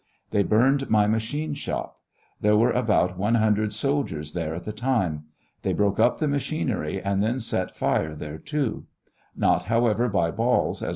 They burned my machine shop. There were about one hun dred soldiers there at the time. They broke up the machinery and then set fire thereto; not, however, by balls as